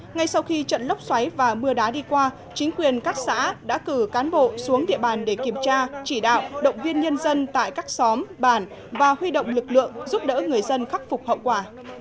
ngay sau khi trận lốc xoáy và mưa đá đi qua chính quyền các xã đã cử cán bộ xuống địa bàn để kiểm tra chỉ đạo động viên nhân dân tại các xóm bản và huy động lực lượng giúp đỡ người dân khắc phục hậu quả